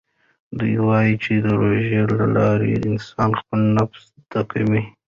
ده وايي چې د روژې له لارې انسان خپل نفس زده کوي.